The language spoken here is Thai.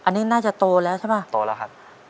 อันนี้น่าจะโตแล้วใช่ป่ะโตแล้วครับ